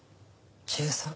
１３」。